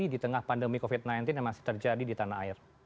di tengah pandemi covid sembilan belas yang masih terjadi di tanah air